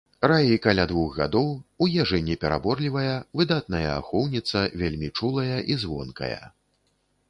Раі каля двух гадоў, у ежы не пераборлівая, выдатная ахоўніца, вельмі чулая і звонкая.